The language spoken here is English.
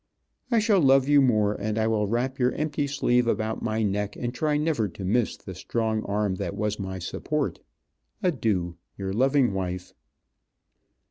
I shall love you more, and I will wrap your empty sleeve about my neck, and try never to miss the strong arm that was my support. Adieu. "Your loving wife."